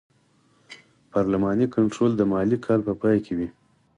پارلماني کنټرول د مالي کال په پای کې وي.